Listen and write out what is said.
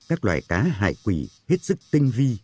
mà còn gây tác hại nghiêm trọng đến môi trường biển